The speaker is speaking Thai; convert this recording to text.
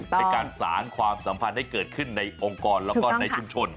เป็นการสารความสัมพันธ์ให้เกิดขึ้นในองค์กรแล้วก็ในชุมชน